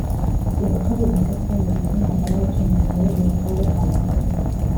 Bikekwa ko ari ibisasu byo mu gihe cy’intambara y’abacengezi yayogoje Akarere ka Gakenke